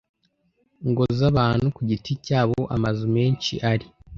ngo z abantu ku giti cyabo amazu menshi ari